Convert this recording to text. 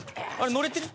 乗れてる。